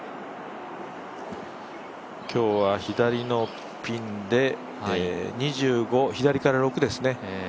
今日は左のピンで２５、左から６ですね。